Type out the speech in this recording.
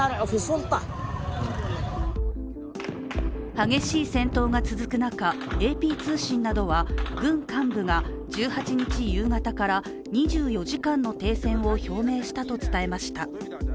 激しい戦闘が続く中、ＡＰ通信などは軍幹部が１８日夕方から２４時間の停戦を表明したと伝えました。